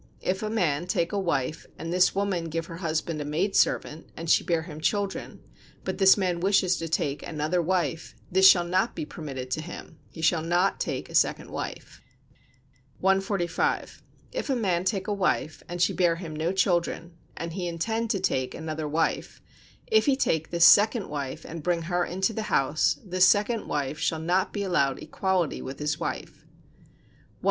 If a man take a wife and this woman give her husband a maid servant, and she bear him children, but this man wishes to take another wife, this shall not be permitted to him; he shall not take a second wife. 145. If a man take a wife, and she bear him no children, and he intend to take another wife: if he take this second wife, and bring her into the house, this second wife shall not be allowed equality with his wife. 146.